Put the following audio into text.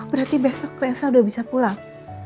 berarti besok elsa udah bisa pulang